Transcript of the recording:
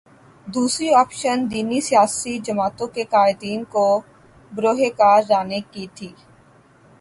دوسری آپشن دینی سیاسی جماعتوں کے قائدین کو بروئے کار لانے کی تھی۔